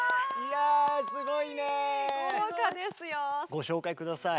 ご紹介下さい。